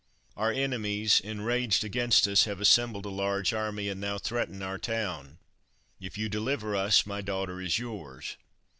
Our enemies, enraged against us, have assembled a large army, and now threaten our town. If you deliver us, my daughter is yours."